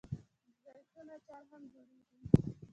د زیتون اچار هم جوړیږي.